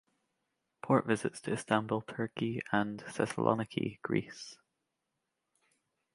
Port visits to Istanbul, Turkey and Thessaloniki, Greece.